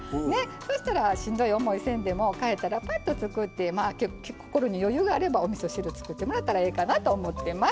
そしたらしんどい思いせんでも帰ったらぱっと作ってまあ心に余裕があればおみそ汁作ってもらったらええかなと思ってます。